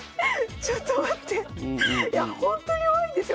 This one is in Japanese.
ちょっと待っていやほんとに弱いんですよ